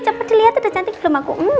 coba dilihat udah cantik belum aku